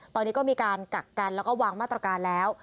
ตอนนี้ก็มีการกักกันแล้วก็วางมาตรการแล้ว